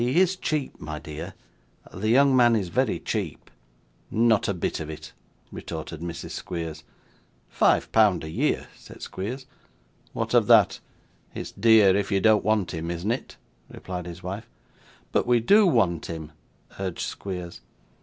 'He is cheap, my dear; the young man is very cheap.' 'Not a bit of it,' retorted Mrs. Squeers. 'Five pound a year,' said Squeers. 'What of that; it's dear if you don't want him, isn't it?' replied his wife. 'But we DO want him,' urged Squeers.